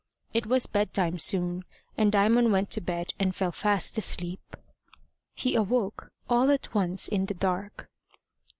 It was bed time soon, and Diamond went to bed and fell fast asleep. He awoke all at once, in the dark.